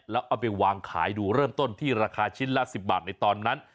แล้วเอาไปวางขายดูเริ่มต้นที่ราคาชิ้นละ๑๐บาทในตอนนั้น